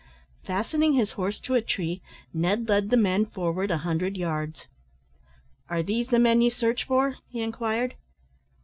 Fastening his horse to a tree, Ned led the men forward a hundred yards. "Are these the men you search for!" he inquired.